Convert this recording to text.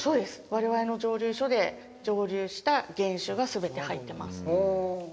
我々の蒸留所で蒸留した原酒が全て入ってます。